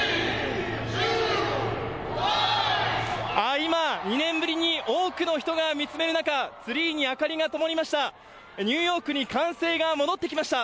今、２年ぶりに、多くの人が見つめる中、ツリーに明かりがともりました。